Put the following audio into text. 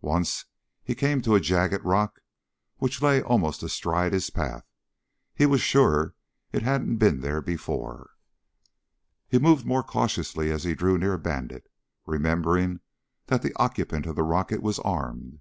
Once he came to a jagged rock which lay almost astride his path. He was sure it hadn't been there before. He moved more cautiously as he drew near Bandit, remembering that the occupant of the rocket was armed.